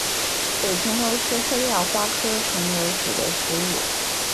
北重楼是黑药花科重楼属的植物。